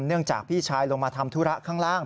จากพี่ชายลงมาทำธุระข้างล่าง